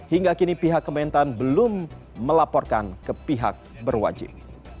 hingga kini pihak kementan belum melaporkan ke pihak berwajib